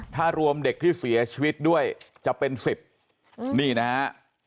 ถ้ารวมเด็กที่เสียชีวิตด้วยจะเป็น๑๐นี่นะฮะ